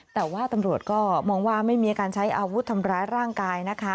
แต่ว่าตำรวจก็มองว่าไม่มีอาการใช้อาวุธทำร้ายร่างกายนะคะ